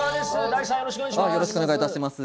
ダイさんよろしくお願いします。